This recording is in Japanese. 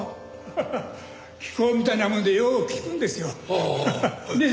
ハハ気功みたいなもんでよう効くんですよ。ねえ？